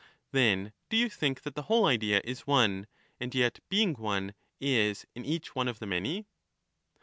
Then do you think that the whole idea is one, and yet, being one, is in each one of the many